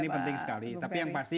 pengawasan ini penting sekali